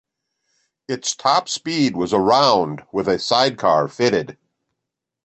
Its top speed was around with a sidecar fitted.